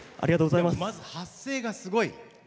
まず発声がすごい。